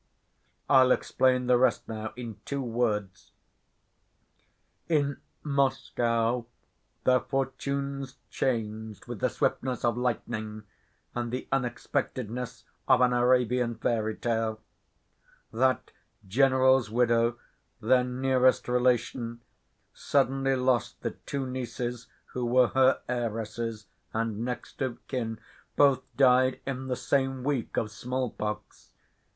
"I'll explain the rest now, in two words. In Moscow their fortunes changed with the swiftness of lightning and the unexpectedness of an Arabian fairy‐tale. That general's widow, their nearest relation, suddenly lost the two nieces who were her heiresses and next‐of‐kin—both died in the same week of small‐pox.